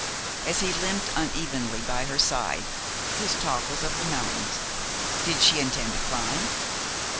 As he limped unevenly by her side, his talk was of the mountains. Did she intend to climb?